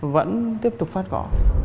vẫn tiếp tục phát cỏ